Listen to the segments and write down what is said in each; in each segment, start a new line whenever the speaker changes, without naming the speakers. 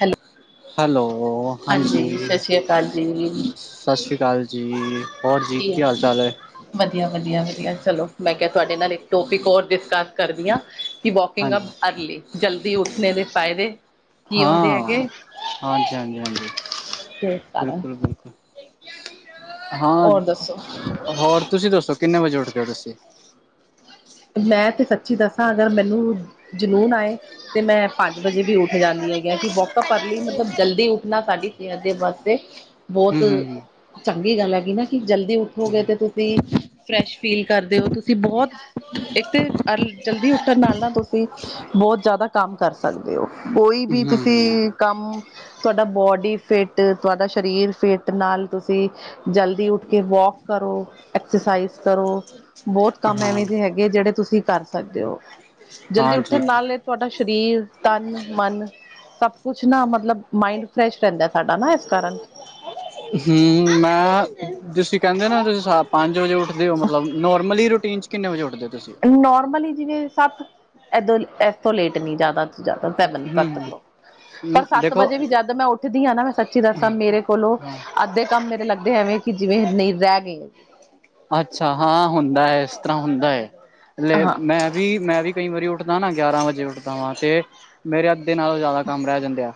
Hello
hello ਹਾਂਜੀ
ਸਤਿ ਸ੍ਰੀ ਅਕਾਲ ਜੀ
ਸਤਿ ਸ਼੍ਰੀ ਅਕਾਲ ਜੀ, ਹੋਰ ਜੀ ਕੀ ਹਾਲ ਚਾਲ ਏ
ਵਦੀਆ-ਵਦੀਆ-ਵਦੀਆ ਚਲੋ ਮੈਂ ਕਿਆ ਤੁਹਾਡੇ ਨਾਲ ਇੱਕ ਟੋਪਿਕ ਹੋਰ ਡਿਸਕਸ ਕਰਦੀ ਆ ਕਿ ਵੋਕਿੰਗ ਅਪ
ਹਾਂਜੀ
ਅਰਲੀ ਜਲਦੀ ਉੱਠਣੇ ਦੇ ਫਾਇਦੇ ਕੀ ਹੁੰਦੇ
ਹਾਂ
ਹੈਗੇ,
ਹਾਂਜੀ ਹਾਂਜੀ ਹਾਂਜੀ
ਤੇ ਕਾਰਨ
ਬਿਲਕੁਲ ਬਿਲਕੁਲ ਹਾਂ,
ਹੋਰ ਦੱਸੋ
ਹੋਰ ਤੁਸੀਂ ਦੱਸੋ ਕਿੰਨੇ ਵਜੇ ਉੱਠਦੇ ਓ ਤੁਸੀ
ਮੈਂ ਤੇ ਸੱਚੀ ਦੱਸਾਂ ਅਗਰ ਮੈਨੂੰ ਜਨੂੰਨ ਆਏ ਤੇ ਮੈਂ ਪੰਜ ਵਜੇ ਵੀ ਉੱਠ ਜਾਂਦੀ ਹੈਗੀ ਆ ਕੀ ਵੋਕ ਅਪ ਅਰਲੀ ਮਤਲਬ ਜਲਦੀ ਉੱਠਣਾ ਸਾਡੀ ਕਿ ਏਦੇ ਵਾਸਤੇ ਬੋਤ
ਹਮ
ਚੰਗੀ ਗੱਲ ਹੈਗੀ ਨਾ ਕੀ ਜਲਦੀ
ਹਮ
ਉੱਠੋਗੇ ਤੇ ਤੁ ਸੀ ਫਰੈਸ਼ ਫੀਲ ਕਰਦੇ ਓ ਤੁਸੀਂ ਬੋ ਇੱਕ ਤੇ ਜਲਦੀ ਉੱਠਣ ਨਾਲ ਨਾ ਤੁਸੀਂ ਬੋਤ ਜਾਦਾ ਕੰਮ ਕਰ ਸਕਦੇ ਓ, ਕੋਈ
ਹਮ
ਵੀ
ਹਮ
ਤੁਸੀਂ ਕੰਮ ਤੁਹਾਡਾ ਬੋਡੀ ਫਿੱਟ, ਤੁਹਾਡਾ ਸਰੀਰ ਫਿੱਟ, ਨਾਲ ਤੁਸੀਂ ਜਲਦੀ ਉੱਠ ਕੇ ਵੋਕ ਕਰੋ ਐਕਸਰਸਾਈਜ਼ ਕਰੋ ਬਹੁਤ ਕੰਮ
ਹਾਂ।
ਐਵੇਂ ਦੇ ਹੈਗੇ ਜੇੜੇ ਤੁਸੀਂ ਕਰ ਸਕਦੇ ਓ ਜਲਦੀ
ਹਾਂਜੀ
ਉੱਠਣ ਨਾਲੇ ਤੁਹਾਡਾ ਸ਼ਰੀਰ, ਤਨ, ਮਨ ਸਭ ਕੁੱਛ ਨਾ ਮਤਲਬ ਮਾਇੰਡ ਫਰੈਸ਼ ਰੈਂਦਾ ਸਾਡਾ ਨਾ ਏਸ ਕਾਰਨ
ਹੂੰ ਮੈਂ ਤੁਸੀਂ ਕੈਂਦੇ ਨਾ ਤੁਸੀਂ ਪੰਜ ਵਜੇ ਉੱਠਦੇ ਔ ਮਤਲਬ ਨੋਰਮਲੀ ਰੂਟੀਨ ਚ ਕਿੰਨੇ ਵਜੇ ਉੱਠਦੇ ਤੁਸੀਂ
ਨੋਰਮਲੀ ਜਿਵੇਂ ਸੱਤ ਐਦੋਂ ਏਸ ਤੋਂ ਲੇਟ ਨੀ ਜਾਦਾ ਜਾਦਾ [unintelligible]
ਹਮ
ਪਰ ਸੱਤ
ਦੇਖੋ
ਵਜੇ ਵੀ ਜਦ ਮੈਂ ਉੱਠਦੀ ਆ ਨਾ ਮੈਂ ਸੱਚੀ ਦੱਸਾਂ ਮੇਰੇ ਕੋਲੋਂ ਅੱਧੇ ਕੰਮ ਮੇਰੇ ਲੱਗਦੇ ਐਵੇ ਕੀ ਜਿਵੇਂ ਨਈ ਰੈਗੇ
ਅੱਛਾ ਹਾਂ ਹੁੰਦਾ ਏ ਏਸ ਤਰ੍ਹਾਂ ਹੁੰਦਾ ਏ
ਹਾਂ
ਮੈਂ ਵੀ ਮੈਂ ਵੀ ਕਈ ਵਾਰੀ ਉੱਠਦਾ ਨਾ ਗਿਆਰਾਂ ਵਜੇ ਉੱਠਦਾ ਵਾ ਤੇ ਮੇਰੇ ਅੱਧੇ ਨਾਲੋਂ ਜਾਦਾ ਕੰਮ ਰੈ ਜਾਂਦੇ ਆ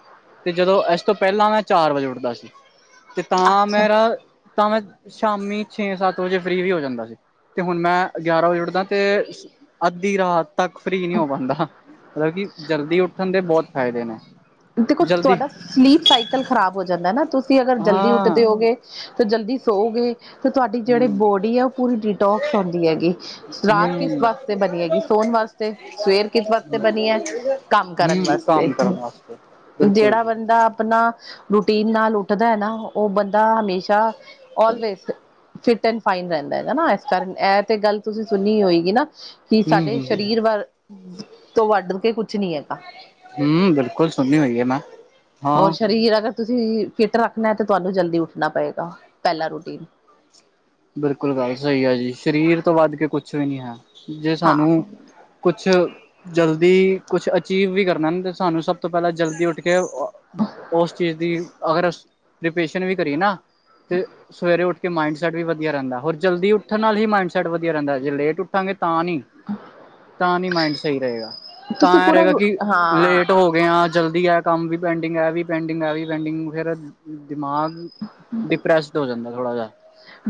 ਤੇ ਜਦੋਂ ਏਸ ਤੋਂ ਪੈਲਾਂ ਮੈਂ ਚਾਰ ਵਜੇ ਉੱਠਦਾ ਸੀ ਤੇ ਤਾਂ
ਅੱਛਾ
ਮੇਰਾ ਤਾਂ ਮੈਂ ਸ਼ਾਮੀ ਛੇ ਸੱਤ ਤ ਵਜੇ ਫ੍ਰਰੀ ਵੀ ਹੋ ਜਾਂਦਾ ਸੀ ਅਤੇ ਹੁਨ ਮੈਂ ਗਿਆਰਾਂ ਵਜੇ ਉੱਠਦਾ ਤੇ ਅੱਧੀ ਰਾਤ ਤੱਕ ਫ੍ਰਰੀ ਨੀ ਹੋ ਪਾਂਦਾ, ਮਤਲਬ ਕੀ ਜਲਦੀ ਉੱਠਣ ਦੇ ਬੋਤ ਫ਼ਾਇਦੇ ਨੇ।
ਦੇਖੋ
ਜਲਦੀ
ਤੁਹਾਡਾ ਸਲੀਪ ਸਾਈਕਲ ਖ਼ਰਾਬ ਹੋ ਜਾਂਦਾ ਨਾ ਤੁਸੀਂ ਅਗਰ ਜਲਦੀ
ਹਾਂ।
ਉੱਠਦੇ ਹੋਗੇ ਤੇ ਜਲਦੀ ਸੋਔਗੇ। ਤੇ ਤੁਹਾਡੀ ਜੇੜੀ
ਹੂੰ
ਬੋਡੀ ਆ ਉ ਪੂਰੀ ਡੀਟੋਕਸ ਹੁੰਂਦੀ ਹੈਗੀ ਰਾਤ ਕਿਸ
ਹੂੰ
ਵਾਸਤੇ ਬਨੀ ਹੈਗੀ ਸੋਨ ਵਾਸ ਤੇ ਸਵੇਰ ਕਿ ਵਾਸਤੇ ਬਨੀ ਐ ਕੰਮ ਕਰਨ
ਹੂੰ
ਵਾਸਤੇ
ਕੰਮ ਕਰਨ ਵਾਸਤੇ ਬਿਲਕੁਲ
ਜੇੜਾ
ਜੀ
ਬੰਦਾ ਆਪਣਾ ਰੂਟੀਨ ਨਾਲ ਉੱਠਦਾ ਐ ਨਾ ਓੁਹ ਬੰਦਾ ਹਮੇਸ਼ਾ ਓਲਵੇਜ਼ ਫਿਟ ਐਂਡ ਫਾਈਨ ਰੈਂਦਾ ਹੈਨਾ [unintelligible] ਕਾਰਨ [unintelligible] ਤੁਸੀਂ ਸੁਣੀ ਹੋਏਗੀ ਨਾ ਕੀ
ਹੂੰ
ਸਾਡੇ
ਹੂੰ ਹੂੰ।
ਸਰੀਰ ਵਰ ਤੋਂ ਵੱਢ ਕੇ ਕੁੱਛ ਨੀ ਹੈਗਾ।
ਹੂੰ ਬਿਲਕੁੱਲ ਸੁਣੀ ਹੋਈ ਐ ਮੈਂ।
ਔਰ
ਹਾਂ
ਸਰੀਰ ਅਗਰ ਤੁਸੀਂ ਫਿੱਟ ਰੱਖਣਾ ਤਾਂ ਤੁਹਾਨੂੰ ਜਲਦੀ ਉੱਠਣਾ ਪਏਗਾ ਪੈਲਾ ਰੂਟੀਨ।
ਬਿਲਕੁੱਲ ਗੱਲ ਸਈ ਆ ਜੀ ਸਰੀਰ ਤੋਂ ਵੱਧ ਕੇ ਕੁੱਛ ਵੀ ਨੀ ਹੈ ਜੇ
ਹਾਂ
ਸਾਨੂੰ ਕੁੱਛ ਜਲਦੀ ਕੁੱਛ ਅਚੀਵ ਵੀ ਕਰਨਾ ਨਾ ਸਾਨੂੰ ਸਭ ਤੋਂ ਪਹਿਲਾਂ ਜਲਦੀ ਉੱਠ ਕੇ ਓ ਓਸ ਚੀਜ਼ ਦੀ ਅਗਰ ਅਸੀ ਪ੍ਰੀਪੇਰੇਸ਼ਨ ਵੀ ਕਰੀਏ ਨਾ ਤੇ ਸਵੇਰੇ ਉੱਠ ਕੇ ਮਾਈਂਡ ਮਾਇੰਡ ਸੈਟ ਵੀ ਵਧੀਆ ਰੈਂਦਾ ਹੋਰ ਜਲਦੀ ਉੱਠਣ ਨਾਲ ਹੀ ਮਾਈਡ ਸੈਟ ਵਧੀਆ ਰੈਂਦਾ ਜੇ ਲੇਟ ਉ ਠਾਂਗੇ ਤਾਂ ਨੀ ਤਾਂ ਨੀ ਮਾਇੰਡ ਸਈ ਰਏਗਾ। ਤਾਂ
ਤੁਸੀਂ
ਐ
ਪੂਰਾ
ਰਏਗਾ ਕਿ ਲੇਟ
ਹਾਂ
ਹੋਗੇ ਆਂ। ਜਲਦੀ ਐ ਕੰਮ ਵੀ ਪੈਂਡਿੰਗ ਐ ਵੀ ਪੈਂਡਿੰਗ ਐ ਵੀ ਪੈਂਡਿੰਗ ਵਗੈਰਾ ਦਿਮਾਗ ਡਿਪਰੈਸਡ ਹੋ ਜਾਂਦਾ ਥੋੜ੍ਹਾ ਜਾ।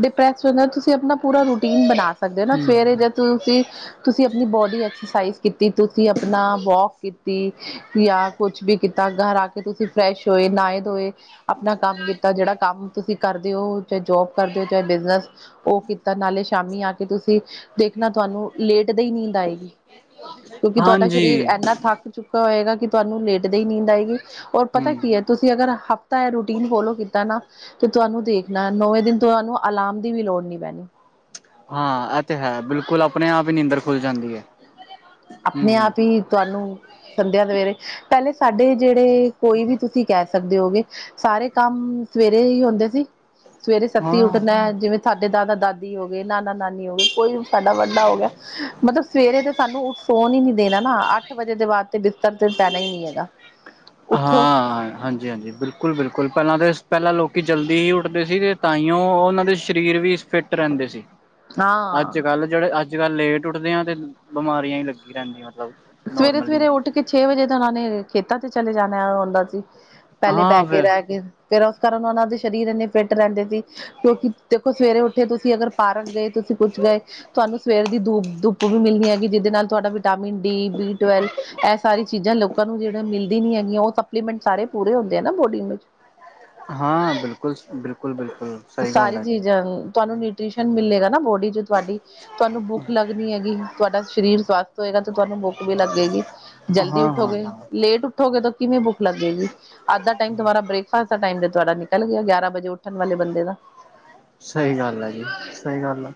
ਡਿਪ੍ਰੈਸ [unintelligible] ਤੁਸੀਂ ਆਪਣਾ ਪੂਰਾ ਰੂਟੀਨ ਬਣਾ ਸਕਦੇ ਓ ਨਾ ਸਵੇਰੇ
ਹੂੰ
ਜਦੋਂ ਤੁਸੀ ਤੁਸੀਂ ਆਪਣੀ ਬੋਡੀ ਐਕਸਰਸਾਈਜ਼ ਕੀਤੀ ਤੁਸੀਂ ਆਪਣਾ ਵੋਕ ਕੀਤੀ। ਯਾਂ ਕੁਛ ਵੀ ਕੀਤਾ। ਘਰ ਆ ਕੇ ਤੁਸੀ ਫਰੈਸ਼ ਹੋਏ, ਨਹਾਏ ਧੋਏ। ਆਪਣਾ ਕੰਮ ਕੀਤਾ ਜੇੜਾ ਕੰਮ ਤੁਸੀਂ ਕਰਦੇ ਓ ਚਾਹੇ ਜੋਬ ਕਰਦੇ ਹੋ ਚਾਹੇ ਬਿਜਨਸ ਓ ਕੀ ਕਿਤਾ ਨਾਲੇ ਸ਼ਾਮੀ ਆ ਕੇ ਤੁਸੀਂ ਦੇਖਣਾ ਤੁਹਾਨੂੰ ਲੇਟ ਦੇ ਹੀ ਨੀਂਦ ਆਏਗੀ। ਕਿਉਂਕਿ ਤੁਹਾਡਾ ਸ਼ਰੀਰ
ਹਾਂਜੀ
ਇੰਹਨਾ ਥੱਕ ਚੁੱਕਿਆ ਹੋਏਗਾ, ਕਿ ਤੁਹਾਨੂੰ ਲੇਟਦੇ ਹੀ ਨੀਂਦ ਆਏਗੀ। ਔਰ ਪਤਾ
ਹੂੰ
ਕੀ ਹੈ? ਤੁਸੀ ਅਗਰ ਹਫ਼ਤਾ ਇਹ ਰੂਟੀਨ ਫੋਲੋ ਕੀਤਾ ਨਾ। ਤੇ ਤੁਹਾਨੂੰ ਦੇਖਨਾ ਨੋਵੇਂ ਦਿਨ। ਤੁਹਾਨੂੰ ਅਲਾਰਮ ਦੀ ਵੀ ਲੋੜ ਨੀ ਪੈਨੀ।
ਹਾਂ ਇਹ ਤੇ ਹੈ। ਬਿਲਕੁਲ, ਆਪਣੇ ਆਪ ਹੀ ਨੀਂਦਰ ਖੁੱਲ ਜਾਂਦੀ ਹੈ। ਹੂੰ
ਆਪਣੇ ਆਪ ਹੀ ਤੁਹਾਨੂੰ ਸੰਧਿਆ ਦੇ ਵਿਹਲੇ, ਪਹਿਲੇ ਸਾਡੇ ਜਿਹੜੇ ਕੋਈ ਵੀ [unintelligible] ਤੁਸੀ ਕਹਿ ਸਕਦੇ ਹੋਵੋਗੇ। ਸਾਰੇ ਕੰਮ ਸੁਵੇਰੇ ਹੀ ਹੁੰਦੇ ਸੀ। ਸੁਵੇਰੇ ਸੱਤੀ
ਹਾਂ
ਉੱਠਨਾ ਏ। ਜਿਵੇਂ ਸਾਡੇ ਦਾਦਾ ਦਾਦੀ ਹੋ ਗਏ। ਨਾਨਾ ਨਾਨੀ ਹੋ ਗਏ। ਕੋਈ ਸਾਡਾ ਵੱਡਾ ਹੋ ਗਿਆ। ਮਤਲਬ ਸੁਵੇਰੇ ਤੇ ਸਾਨੂੰ ਉੱਠ ਸੋਨ ਹੀ ਨਹੀਂ ਦੇਨਾ ਨਾ। ਅੱਠ ਵਜੇ ਦੇ ਬਾਅਦ ਤੇ ਬਿਸਤਰ ਤੇ ਪੈਨਾ ਹੀ ਨੀ ਹੈਗਾ। ਉੱਠੋ
ਹਾਂ, ਹਾਂਜ- ਜੀ ਹਾਂਜੀ ਹਾਂਜੀ, ਬਿਲਕੁਲ-ਬਿਲਕੁਲ, ਪਹਿਲਾਂ ਤੇ ਪਹਿਲਾਂ ਲੋਕੀ ਜਲਦੀ ਹੀ ਉੱਠਦੇ ਸੀਗੇ। ਤਾਂ ਹੀ ਉਹਨਾਂ ਦੇ ਸ਼ਰੀਰ ਵੀ ਫਿੱਟ ਫਿਟ ਰਹਿੰਦੇ ਸੀ। ਅੱਜ
ਹਾਂ
ਕੱਲ, ਜਿਹੜੇ ਅੱਜ ਕੱਲ ਲੇਟ ਉੱਠਦੇ ਆਂ। ਤੇ ਬਿਮਾਰੀਆਂ ਹੀ ਲੱਗੀ ਰਹਿੰਦੀ, ਮਤਲਬ।
ਸੁਵੇਰੇ
ਨੋਰਮਲੀ
ਸੁਵੇਰੇ ਉੱਠ ਕੇ ਛੇ ਵਜੇ ਤੇ ਉਹਨਾਂ ਨੇ ਖੇਤਾਂ ਤੇ ਚਲੇ ਜਾਨਾ ਹੁੰਦਾ ਸੀ। ਪਹਿਲੇ
ਹਾਂ
ਬਹਿ ਕੇ
ਫਿਰ
ਰਹਿ ਗਏ। ਫਿਰ ਉਸ ਕਾਰਨ ਉਹਨਾਂ ਦੇ ਸ਼ਰੀਰ ਇੰਹਨੇ ਫਿੱਟ ਰਹਿੰਦੇ ਸੀ। ਕਿਉਂਕਿ ਦੇਖੋ ਸੁਵੇਰੇ ਉੱਠੇ ਤੁਸੀ। ਅਗਰ ਪਾਰਕ ਗਏ। ਤੁਸੀ ਕੁੱਛ ਗਏ। ਤੁਹਾਨੂੰ ਸੁਵੇਰ ਦੀ ਧੂਪ, ਧੁੱਪ ਵੀ ਮਿਲਣੀ ਹੈਗੀ। ਜਿਹਦੇ ਨਾਲ ਤੁਹਾਡਾ ਵਿਟਾਮਿਨ ਡੀ, ਬੀ ਟਵੇੈਲਵ ਇਹ ਸਾਰੀ ਚੀਜਾਂ, ਲੋਕਾਂ ਨੂੰ ਜਿਹੜਾ ਮਿਲਦੀ ਨੀ ਹੈਗੀਆਂ। ਉਹ ਸਪਲੀਮੈਂਟ ਸਾਰੇ ਪੂਰੇ ਹੁੰਦੇ ਐਂ ਨਾ, ਬੋਡੀ ਦੇ ਵਿੱਚ।
ਹਾਂ, ਬਿਲਕੁਲ-ਬਿਲ
ਸਾਰੀ ਚੀਜਾਂ, ਤੁਹਾਨੂੰ ਨੀ ਟ੍ਰੀਸ਼ਨ ਮਿੱਲੇਗਾ ਨਾ ਬੋਡੀ ਚ ਤੁਹਾਡੀ। ਤੁਹਾਨੂੰ ਭੁੱਖ ਲੱਗਣੀ ਹੈਗੀ। ਤੁਹਾਡਾ ਸ਼ਰੀਰ ਸਵਾਸਥ। ਹੋਏਗਾ, ਤੇ ਤੁਹਾਨੂੰ ਭੁੱਖ ਵੀ ਲੱਗੇਗੀ। ਜਲਦੀ
ਹਾਂ ਹਾਂ
ਉੱਠੋਗੇ,
ਹਾਂ
ਲੇਟ ਉੱਠ ਠੋਗੇ ਤਾਂ ਕਿਵੇਂ ਭੁੱਖ ਲੱਗੇਗੀ? ਅੱਧਾ ਟਾਈਮ ਤੁਮਾਰਾ ਬ੍ਰੇਕਫਾਸਟ ਦਾ ਟਾਈਮ ਤੇ ਤੁਹਾਡਾ ਨਿਕਲ ਗਿਆ। ਗਿਆਰਹ ਵਜੇ ਉਠੋ ਉਠਣ ਵਾਲੇ ਬੰਦੇ ਦਾ।
ਸਹੀ ਗੱਲ ਹੈ ਜੀ। ਸਹੀ ਗੱਲ ਆ।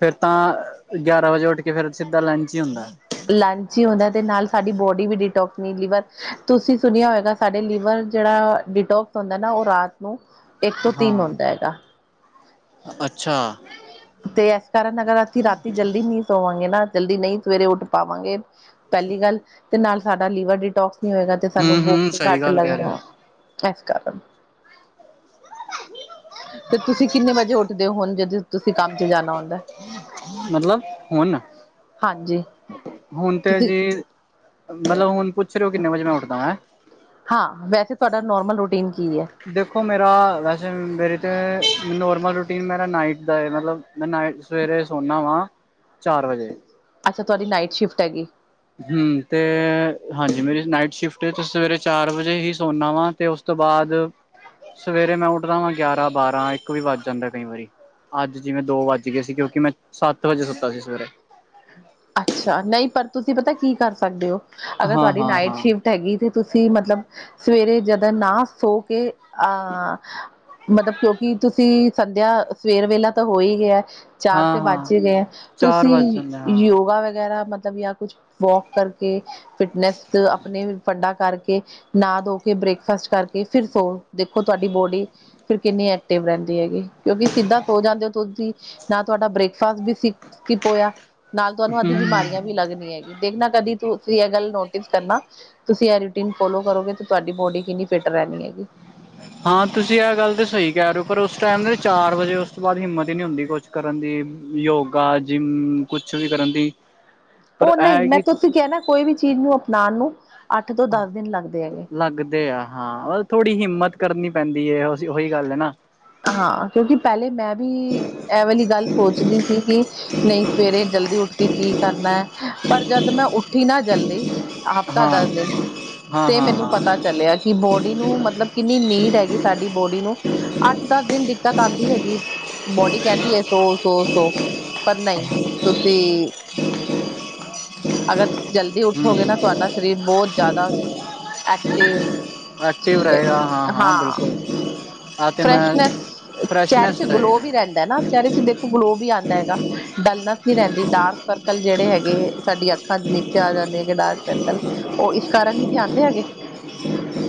ਫਿਰ ਤਾਂ ਗਿਆਰਾਂ ਵਜੇ ਉੱਠਕੇ ਫਿਰ ਤਾ ਸਿੱਧਾ ਲੰਚ ਹੀ ਹੁੰਦਾ ਏ।
ਲੰਚ ਈ ਹੁੰਦਾ ਤੇ ਨਾਲ ਸਾਡੀ ਬੋਡੀ ਵੀ ਡਿਟੋਕਸ ਨੀ ਲੀਵਰ, ਤੁਸੀ ਸੁਨੇਆ ਹੋਏਗਾ ਸਾਡੇ ਲੀਵਰ ਜੇੜਾ ਡਿਟੋਕਸ ਹੁੰਦਾ ਨਾ ਓ ਰਾਤ ਨੂੰ ਇੱਕ ਤੋਂ ਤਿੰਨ
ਹਾਂ
ਹੁੰਦਾ ਹੈਗਾ।
ਅੱਛਾ।
ਤੇ ਏਸ ਕਾਰਨ ਅਗਰ ਅਸੀਂ ਰਾਤੀ ਜਲਦੀ ਨਈਂ ਸੋਵਾਂਗੇ ਨਾ ਜਲਦੀ ਨਈ ਸਵੇਰੇ ਉੱਠ ਪਾਵਾਂਗੇ। ਪੈਲੀ ਗੱਲ ਤੇ ਨਾਲ ਸਾਡਾ ਲੀਵਰ ਡੀਟੋਕਸ ਨੀ ਹੋਏਗਾ ਤੇ
ਹੂੰ
ਸਾਨੂੰ
ਹੂੰ
ਭੁੱਖ
ਸਹੀ
ਘੱਟ
ਗੱਲ ਕਹਿ
ਲੱਗਨ
ਰਹੇ
ਨਾਲ
ਹੋ
ਐਸ ਕਾਰਨ ਤੇ ਤੁਸੀਂ ਕਿੰਨੇ ਵਜੇ ਉੱਠਦੇ ਓ ਹੁਨ ਜੇ ਤੁ ਤੁਸੀਂ ਕੰਮ ਚ ਜਾਨਾ ਹੁੰਦੈ।
ਮਤਲਬ ਹੁਨ,
ਹਾਂਜੀ
ਹੁਨ ਤੇ
ਤੁਸੀਂ
ਜੀ ਮਤਲਬੁ ਹੁਨ ਪੁੱਛ ਰਏ ਓ ਕਿੰਨੇ ਵਜੇ ਮੈਂ ਉੱਠਦਾ ਵਾਂ ਹੈਂ।
ਹਾਂ, ਵੈਸੇ ਤੁਆਡਾ ਨੋਰਮਲ ਰੂਟੀਨ ਕੀ ਐ।
ਦੇਖੋ ਮੇਰਾ, ਵੈਸੇ ਮੇਰੀ ਤੇ ਨੋਰਮਲ ਰੂਟੀਨ ਮੇਰਾ ਨਾਈਟ ਦਾ ਏ, ਮਤਲਬ ਮੈਂ ਨਾਈਟ ਸਵੇਰੇ ਸੋਨਾਂ ਵਾਂ ਚਾਰ ਵਜੇ।
ਅੱਛਾ ਤੁਆਡੀ ਨਾਈਟ ਸ਼ਿਫਟ ਹੈਗੀ।
ਹੂੰ ਤੇ ਹਾਂਜੀ ਮੇਰੀ ਨਾਈਟ ਸ਼ਿਫਟ ਏ ਤੇ ਸਵੇਰੇ ਚਾਰ ਵਜੇ ਈ ਸੋਨਾ ਵਾਂ ਤੇ ਉਸ ਤੋਂ ਬਾਦ, ਸਵੇਰੇ ਮੈਂ ਉੱਠਦਾ ਵਾਂ ਗਿਆਰਾਂ-ਬਾਰਾਂ ਇੱਕ ਵੀ ਵੱਜ ਜਾਂਦਾ ਏ ਕਈ ਵਾਰੀ। ਅੱਜ ਜਿਵੇਂ ਦੋ ਵੱਜਗੇ ਸੀ ਕਿਓਂਕਿ ਮੈਂ ਸੱਤ ਵਜੇ ਸੁੱਤਾ ਸੀ ਸਵੇਰੇ।
ਅੱਛਾ ਨਈਂ ਪਰ ਤੁਸੀਂ ਪਤਾ ਕੀ ਕਰ ਸਕਦੇ ਓ ਅਗਰ
ਹਾਂ
ਸਾਡੀ
ਹਾਂ
ਨਾਈਟ
ਹਾਂ
ਸ਼ਿਫ ਤਾ ਹੈਗੀ, ਤੇ ਤੁਸੀਂ ਮਤਲਬ ਸਵੇਰੇ ਜਾਦਾ ਨਾ ਸੋ ਕੇ ਆਹ ਮਤਲਬ ਕਿਓਂਕਿ ਤੁਸੀ ਸੰਦੇਆ ਸੁਵੇਰ ਵੇਲਾ ਤਾ ਹੋ ਈ ਗੇਆ। ਚਾਰ
ਹਾਂ
ਤੇ
ਹਾਂ
ਵੱਜ ਈ ਗਏ ਐ
ਚਾਰ ਵੱਜ
ਤੁਸੀਂ
ਜਾਂਦੇ ਹਾਂ
ਯੋਗਾ ਵਗੈਰਾ ਮਤਲਬ ਜਾਂ ਕੁੱਛ ਵੋਕ ਕਰਕੇ ਫਿਟਨੈਸ ਤੇ ਆਪਨੀ ਵੀ ਫੰਡਾ ਕਰਕੇ ਨਾ ਧੋ ਕੇ ਬ੍ਰੇਕਫਾਸਟ ਕਰ ਕੇ ਫਿਰ ਸੋਅੋ, ਦੇਖੋ ਤੁਆਡੀ ਬੋਡੀ ਫਿਰ ਕਿੰਨੀ ਐਕਟਿਵ ਰੈਂਦੀ ਹੈਗੀ। ਕਿਓਂਕਿ ਸਿੱਦਾ ਸੋ ਜਾਂਦੇ ਓ ਤੁਸੀਂ ਨਾ ਤੁਆਡਾ ਬ੍ਰੇਕਫਾਸਟ ਸਿਪ ਸਕਿੱਪ ਹੋਏਆ। ਨਾਲ ਤੁਹਾਨੂੰ ਅੱਦੀ
ਹੂੰ।
ਬਿਮਾਰੀਆਂ ਵੀ ਲੱਗਨੀ ਹੈਗੀ, ਦੇਖਨਾ ਕਦੀ ਤੁਸੀਂ ਏ ਗੱਲ ਨੋਟਿਸ ਕਰਨਾ ਤੁਸੀਂ ਏ ਰੂਟੀਨ ਫੋਲੋ ਕਰੋਗੇ ਤੇ ਤੁਆਡੀ ਬੋਡੀ ਕਿੰਨੀ ਫਿਟ ਰੈਨੀ ਹੈਗੀ।
ਹਾਂ ਤੁਸੀਂ ਐ ਗੱਲ ਤਾਂ ਸਈ ਕੈ ਰਏ ਓ ਪਰ ਉਸ ਟੈਮ ਦੇ ਚਾਰ ਵਜੇ ਉਸ ਤੋਂ ਬਾਦ ਹਿੰਮਤ ਈ ਨੀ ਹੁੰਦੀ ਕੁਛ ਕਰਨ ਦੀ। ਯੋਗਾ, ਜਿੰਮ ਕੁਛ ਵੀ ਕਰਨ ਦੀ। ਪਰ
ਓ
ਇਹ
ਨਈਂ
ਹੈ
ਮੈਂ
ਕਿ
ਤੁਸੀਂ ਕੈਨਾ ਕੋਈ ਵੀ ਚੀਜ਼ ਨੂੰ ਅਪਨਾਨ ਨੂੰ ਅੱਠ ਤੋਂ ਦਸ ਦਿਨ ਲੱਗਦੇ ਹੈਗੇ।
ਲੱਗਦੇ ਆ ਹਾਂ ਓ ਥੋੜੀ ਹਿੰਮਤ ਕਰਨੀ ਪੈਂਦੀ ਐ ਓਈ ਗੱਲ ਐ ਨਾ।
ਹਾਂ ਕਿਓਂਕਿ ਪੈਲੇ ਮੈਂ ਵੀ ਐ ਵਾਲੀ ਗੱਲ ਸੋਚਦੀ ਸੀ ਕੇ ਨਈ ਸਵੇਰੇ ਜਲਦੀ ਉੱਠ ਕੇ ਕੀ ਕਰਨਾ ਐ ਪਰ ਜਦ ਮੈਂ ਉੱਠ ਉੱਠੀ ਨਾ ਜਲਦੀ, ਹਫ਼ਤਾ
ਹਾਂ
ਦਸ ਦਿਨ
ਹਾਂ
ਤੇ
ਹਾਂ
ਮੈਨੂੰ
ਹਾਂ
ਪਤਾ
ਹਮ
ਚੱਲੇਆ ਕੀ ਬੋਡੀ ਨੂੰ ਮਤਲਬ ਕਿੰਨੀ ਨੀਡ ਹੈਗੀ ਸਾਡੀ ਬੋਡੀ ਨੂੰ ਅੱਠ ਦਸ ਦਿਨ ਦਿੱਕਤ ਆਂਦੀ ਹੈਗੀ ਬੋਡੀ ਕੈਂਦੀ ਐ ਸੋ-ਸੋ-ਸੋ। ਪਰ ਨਈ ਤੁਸੀਂ ਅਗਰ ਜਲਦੀ ਉੱਠੋਗੇ ਨਾ
ਹਮ
ਤੁਆਡਾ ਸਰੀਰ ਬੋਤ ਜਾਦਾ ਐਕਟਿਵ
ਐਕਟਿਵ
ਤੇ
ਰਹੇਗਾ
ਹਾਂ
ਬਿਲਕੁਲ ਆ ਤੇ ਮੈਂ
ਫਰੈਸ਼ਨੈਸ ਚੈਰੇ ਤੇ
ਫਰੈਸ਼ਨੈਸ
ਗਲੋ ਵੀ
ਰਹੇਗੀ
ਰੈਂਦਾ ਨਾ। ਚੈਰੇ ਤੇ ਦੇਖੋ ਗਲੋ ਵੀ ਆਂਦਾ ਹੈਗਾ, ਡਲਨੈਸ ਨੀ ਰੈਂਦੀ ਡਾਰਕ ਸਰਕਲ ਜੇੜੇ ਹੈਗੈ ਸਾਡੀ ਅੱਖਾਂ ਦੇ ਨੀਚੇ ਆ ਜਾਂਦੇ ਹੈਗੇ ਡਾਰਕ ਸਰਕਲ ਓ ਇਸ ਕਾਰਨ ਈ ਤੇ ਆਂਦੇ ਹੈਗੇ।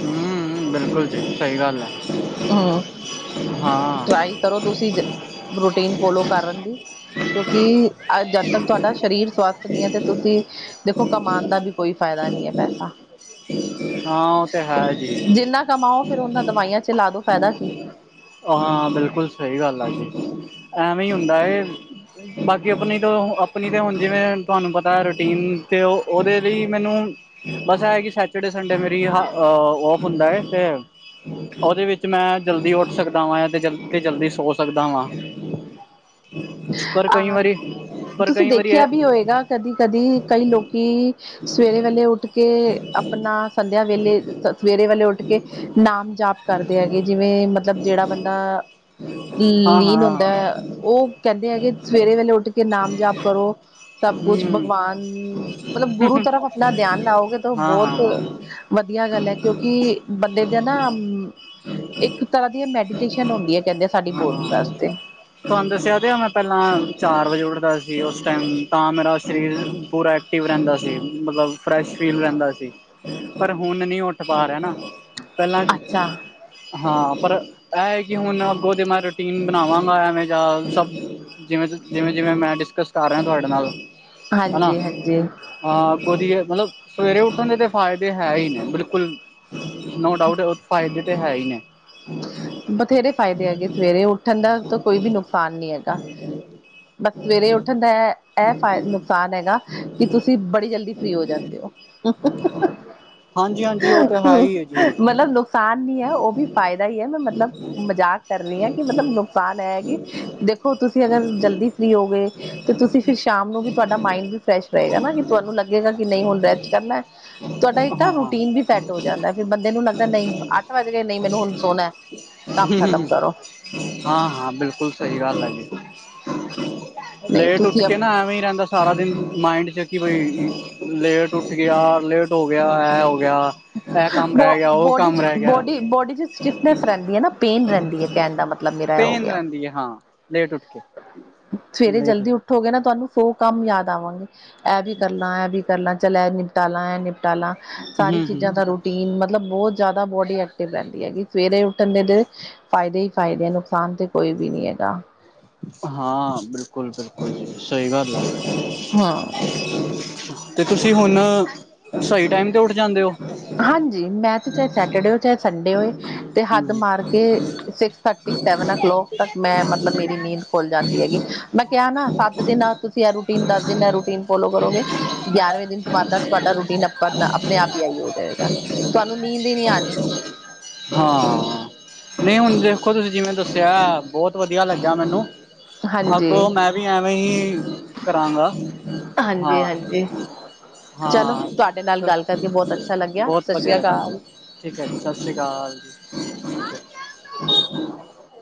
ਹਮ ਬਿਲਕੁਲ ਜੀ, ਸਈ ਗੱਲ ਐ।
ਹੂੰ, ਟਰਾਈ ਕਰੋ ਤੁਸੀਂ ਰੂਟੀਨ ਫੋਲੋ ਕਰਨ ਦੀ ਕਿਓਂਕਿ ਅੱਜ ਤੁਹਾਡਾ ਸਰੀਰ ਸਵਸਥ ਨਹੀਂ ਐ ਤੇ ਤੁਸੀਂ ਦੇਖੋ ਕਮਾਨ ਦਾ ਵੀ ਕੋਈ ਫਾਇਦਾ ਨਹੀਂ ਹੈ ਪੈਸਾ।
ਹਾਂ ਉਹ ਤੇ ਹੈ ਜੀ
ਜਿੰਨਾ ਕਮਾਓ ਫੇਰ ਔਹਨਾਂ ਦਵਾਈਆਂ ਚ ਲਾ ਦੋ ਫਾਇਦਾ ਕੀ?
ਹਾਂ ਬਿਲਕੁਲ ਸਹੀ ਗੱਲ ਆ ਜੀ ਐਵੇਂ ਹੀ ਹੁੰਦਾ ਏ ਬਾਕੀ ਅਪਨੀ ਤੋਂ ਅਪਨੀ ਤੇ ਹੁਨ ਜਿਵੇਂ ਤੁਹਾਨੂੰ ਪਤਾ ਐ ਰੂਟੀਨ ਤੇ ਔ ਓਦੇ ਲਈ ਮੈਨੂੰ ਬਸ ਇਹ ਹੈ ਕਿ ਸੈਚੑਡੇ ਸੰਡੇ ਮੇਰੀ ਔਫ ਹੁੰਦਾ ਏ ਓਦੇ ਵਿੱਚ ਮੈਂ ਜਲਦੀ ਉੱਠ ਸਕਦਾ ਵਾਂ ਤੇ ਜਲਦੀ ਸੋ ਸਕਦਾ ਵਾਂ। ਪਰ ਕਈ
ਆਹ
ਵਾਰੀ ਪਰ
ਤੁਸੀਂ
ਕਈ ਵਾਰੀ
ਦੇਖਿਆ ਵੀ ਹੋਏਗਾ ਕਦੀ ਕਦੀ ਕਈ ਲੋਕੀ ਸਵੇਰੇ ਵੇਲੇ ਉੱਠ ਕੇ ਆਪਨਾ ਸੰਧਿਆ ਵੇਲੇ ਸਵੇਰੇ ਵੇਲੇ ਓੱਠ ਕੇ ਨਾਮ ਜਾਪ ਕਰਦੇ ਹੈਗੇ ਜਿਵੇਂ ਮਤਲਬ ਜੇਹੜਾ ਬੰਦਾ
ਹਾਂ
ਲੀਨ
ਹਾਂ
ਹੁੰਦਾ ਔਹ ਕਹਿੰਦੇ ਹੈਗੇ ਸਵੇਰੇ ਵੇਲੇ ਉੱਠ ਕੇ ਨਾਮ ਜਾਪ ਕਰੋ ਸਭ
ਹੂੰ
ਕੁਛ ਭਗਵਾਨ ਮਤਲਬ ਗੁਰੂ ਤਰਫ ਆਪਨਾ ਧਿਆਨ ਲਾਓਗੇ ਤੋ
ਹਾਂ ਹਾਂ
ਬਹੋਤ ਵਧੀਆ ਗੱਲ ਹੈ ਕਿਉਂਕਿ ਬੰਦੇ ਦੈ ਨਾ ਇੱਕ ਤਰ੍ਹਾਂ ਦੀ ਇਹ ਮੈਡੀਟੇਸ਼ਨ ਹੁੰਦੀ ਐ ਕਹਿੰਦੇ ਆ ਸਾਡੀ
ਹਾਂ
ਬੋਡੀ
ਹਾਂ
ਵਾਸਤੇ।
ਤੁਹਾਨੂੰ ਦੱਸਿਆ ਤੇ ਮੈਂ ਪਹਿਲਾਂ ਚਾਰ ਵਜੇ ਉੱਠਦਾ ਸੀ ਉਸ ਟੈਇਮ ਤਾਂ ਮੇਰਾ ਸਰੀਰ ਪੂਰਾ ਐਕਟੀਵ ਰਹਿੰਦਾ ਸੀ ਮਤਲਬ ਫਰੈਸ਼ ਫੀਲ ਰਹਿੰਦਾ ਸੀ ਪਰ ਹੁਨ ਨਹੀਂ ਉੱਠ ਪਾ ਰਿਹਾ ਨਾ ਪਹਿਲਾਂ
ਅੱਛਾ
ਹਾਂ ਪਰ ਅਹ ਹੈ ਕਿ ਹੁਨ ਅੱਗੋਂ ਦੀ ਮੈਂ ਰੂਟੀਨ ਬਨਾਵਾਂਗਾ ਐਵੇਂ ਜਾਂ ਸਭ ਜਿਵੇਂ ਜਿਵੇਂ ਜਿਵੇਂ ਮੈਂ ਡਿਸਕਸ ਕਰ ਰਿਆ ਤੁਹਾਡੇ ਨਾਲ। ਹੈਨਾ
ਹਾਂਜੀ ਹਾਂਜੀ
ਹਾਂ ਅਗੋ ਦੀ ਏ ਮਤਲਬ ਸਵੇਰੇ ਉੱਠਨ ਦੇ ਤੇ ਫਾਇਦੇ ਹੈ ਹੀ ਨੇ ਬਿਲਕੁਲ ਨੋ ਡਾਊਟ ਔਹ ਫਾਇਦੇ ਤਾਂ ਹੈ ਈ ਨੇ।
ਬਥੇਰੇ ਫ਼ਾਇਦੇ ਹੈਗੇ ਸਵੇਰੇ ਉੱਠਨ ਦਾ ਤਾਂ ਕੋਈ ਵੀ ਨੁਕਸਾਨ ਨਹੀ ਹੈਗਾ। ਬਸ ਸਵੇਰੇ ਉੱਠਨ ਦਾ ਅਹ ਫਾਏ ਨੁਕਸਾਨ ਹੈਗਾ ਕਿ ਤੁਸੀਂ ਬੜੀ ਜਲਦੀ ਫ੍ਰਰੀ ਹੋ ਜਾਂਦੇ ਔ।
ਹਾਂਜੀ ਹਾਂਜੀ ਓੁਹ ਤਾਂ ਹੈ ਹੀ ਏ ਜੀ।
ਮਤਲਬ ਨੁਕਸਾਨ ਨੀ ਐ ਓੁਹ ਵੀ ਫਾਇਦਾ ਹੀ ਐ ਮੈਂ ਮਤਲਬ ਮਜ਼ਾਕ ਕਰ ਰਹੀ ਆਂ ਕਿ ਮਤਲਬ ਨੁਕਸਾਨ ਐ ਹੈ ਕਿ ਦੇਖੋ ਤੁਸੀਂ ਅਗਰ ਜਲਦੀ ਫ੍ਰਰੀ ਹੋਓਗੇ ਤੇ ਤੁਸੀਂ ਫੇਰ ਸ਼ਾਮ ਨੂੰ ਵੀ ਤੁਹਾਡਾ ਮਾਇੰਡ ਵੀ ਫਰੈਸ਼ ਰਹੇਗਾ ਨਾ ਕਿ ਤੁਹਾਨੂੰ ਲੱਗੇਗਾ ਕਿ ਨਹੀਂ ਹੁਣ ਰੈਸਟ ਕਰਨਾ। ਤੁਹਾਡਾ ਇੱਕ ਨਾ
ਹਾਂ
ਰੂਟੀਨ ਵੀ ਸੈੱਟ ਹੋ ਜਾਂਦੈ ਫੇਰ ਬੰਦੇ ਨੂੰ ਲੱਗਦਾ ਨਹੀਂ ਅੱਠ ਵੱਜ ਗਏ ਨਹੀਂ ਮੈਨੂੰ ਹੁਣ ਸੋਣਾ ਕੰਮ ਖਤਮ ਕਰੋ।
ਹਾਂ ਹਾਂ ਬਿਲਕੁਲ ਸਹੀ ਗੱਲ ਐ ਜੀ।
ਨਹੀਂ
ਲੇਟ ਉੱਠ
ਤੁਸੀਂ
ਕੇ ਨਾ ਐਵੇਂ ਰਹਿੰਦਾ ਸਾਰਾ ਦਿਨ ਮਾਇੰਡ ਚ ਕਿ ਬਈ ਲੇਟ ਉੱਠ ਗਿਆ ਲੇਟ ਹੋ ਗਿਆ ਐਹ ਹੋ ਗਿਆ। ਇਹ ਕੰਮ
ਬੋ
ਰਹਿ ਗਿਆ ਉਹ
ਬੋਡੀ
ਕੰਮ
ਚ
ਰਹਿ ਗਿਆ
ਬੋਡੀ ਬੋਡੀ ਚ ਸਟਿਫਨੈਸ ਰਹਿੰਦੀ ਏ ਨਾ ਪੇਨ ਰਹਿੰਦੀ ਏ। ਕਹਿਣ ਦਾ ਮਤਲਬ ਮੇਰਾ ਐ ਹੋ
ਪੇਨ
ਗਿਆ।
ਰਹਿੰਦੀ ਹਾਂ ਲੇਟ ਉੱਠ ਕੇ ਲੇਟ ਉੱਠ
ਲੇਟ ਹੋ ਗਏ ਨਾ ਤੁਹਾਨੂੰ ਸੌ ਕੰਮ ਯਾਦ ਆਵਨਗੇ ਐ ਵੀ ਕਰਲਾ ਐ ਵੀ ਕਰਲਾ ਚਲ ਐਹ ਨਿਪਟਾਲਾ ਐਹ ਨਿਪਟਾਲਾ
ਹਮ
ਸਾਰੀ
ਹਮ
ਚੀਜ਼ਾਂ ਦਾ ਰੂ ਟੀਨ ਮਤਲਬ ਬਹੁਤ ਜ਼ਿਆਦਾ ਬੋਡੀ ਐਕਟਿਵ ਰਹਿੰਦੀ ਹੈਗੀ ਸਵੇਰੇ ਉੱਠਣ ਦੇ ਤੇ ਫਾਇਦੇ ਹੀ ਫਾਇਦੇ ਆ ਨੁਕਸਾਨ ਤੇ ਕੋਈ ਵੀ ਨੀ ਹੈਗਾ।
ਹਾਂ ਬਿਲਕੁਲ ਬਿਲਕੁਲ ਸਹੀ ਗੱਲ ਆ।
ਹਾਂ
ਤੇ ਤੁਸੀਂ ਹੁਣ ਸਹੀ ਟਾਈਮ ਤੇ ਉੱਠ ਜਾਂਦੇ ਹੋ?
ਹਾਂਜੀ ਮੈਂ ਤੇ ਚਾਹੇ ਸੈਟਰਡੇ ਹੋਏ ਚਾਹੇ ਸੰਡੇ ਹੋਏ ਤੇ ਹੱਦ
ਹਮ
ਮਾਰ ਕੇ six thirty [unintelligible] seven o'clock ਤੱਕ ਮੈਂ ਮਤਲਬ ਮੇਰੀ ਨੀਂਦ ਖੁੱਲ ਜਾਂਦੀ ਹੈਗੀ ਮੈਂ ਕਿਆ ਨਾ ਸੱਤ ਦਿਨ ਤੁਸੀਂ ਐ ਰੂਟੀਨ ਦਸ ਦਿਨ ਐ ਰੂਟੀਨ ਫੋਲੋ ਕਰੋਗੇ ਗਿਆਰਵੇਂ ਦਿਨ ਤੁਮਾਦਾ ਤੁਹਾਡਾ ਰੂਟੀਨ ਆਪ ਆਪਣੇ-ਆਪ ਹੀ ਐਈ ਹੋ ਜਾਏਗਾ। ਤੁਹਾਨੂੰ ਨੀਂਦ ਈ ਨੀ ਆਣੀ।
ਹਾਂ। ਨਈ ਹੁਣ ਦੇਖੋ ਤੁਸੀਂ ਜਿਵੇਂ ਦੱਸਿਆ ਐ ਬੋਤ ਵਧੀਆ ਲੱਗਿਆ ਮੈਨੂੰ
ਹਾਂਜੀ
ਅੱਗੋ ਮੈਂ ਵੀ ਐਵੇਂ ਈ ਕਰਾਂਗਾ
ਹਾਂਜੀ
ਹਾਂ
ਹਾਂਜੀ ਚਲੋ
ਹਾਂ,
ਤੁਹਾਡੇ ਨਾਲ ਗੱਲ ਕਰਕੇ ਬਹੁਤ ਅੱਛਾ ਲੱਗਿਆ
ਬੋਤ
ਸਤਿ
ਵਧੀਆ
ਸ੍ਰੀ
ਲੱਗਿਆ।
ਅਕਾਲ
ਠੀਕ ਐ ਜੀ, ਸਸ ਸ਼੍ਰੀ ਕਾਲ ਜੀ [unintelligible]